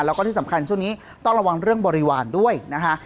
แล้วก็ที่สำคัญช่วงนี้ต้องระวังเรื่องบริวารด้วยนะคะ